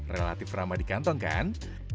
relatif ramah di kantong kan